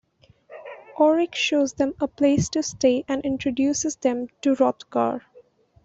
Orik shows them a place to stay and introduces them to Hrothgar.